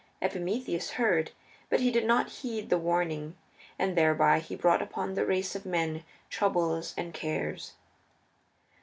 Epimetheus heard, but he did not heed the warning, and thereby he brought upon the race of men troubles and cares.